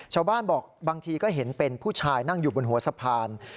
ชาวบ้านบอกบางทีก็เห็นเป็นผู้ชายนั่งอยู่บนหัวสะพาน